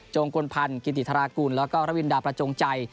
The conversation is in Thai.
โจงกลพรรกิฏธราคุณแล้วก็ระวิมดาปราจงใจ